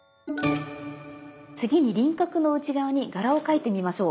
次に輪郭の内側に柄を描いてみましょう。